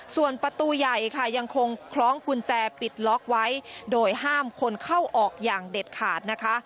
ส่วนประตูใหญ่ค่ะยังคงคล้องกุญแจปิดล็อกไว้โดยห้ามคนเข้าออกอย่างเด็ดขาดนะคะ